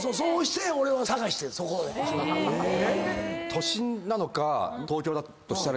都心なのか東京だとしたら。